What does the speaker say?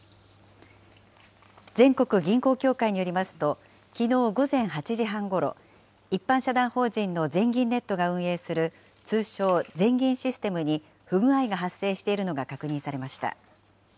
全国銀行協会によりますと、きのう午前８時半ごろ、一般社団法人の全銀ネットが運営する、通称、全銀システムに不具合が発生しているのが確認されました。